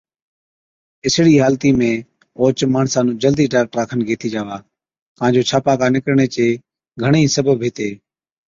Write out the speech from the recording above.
اِسڙِي حالتِي ۾ اوهچ ماڻسا نُون جلدِي ڊاڪٽرا کن گيهٿِي جاوا، ڪان جو ڇاپاڪا نِڪرڻي چي گھڻي ئِي سبب هِتي۔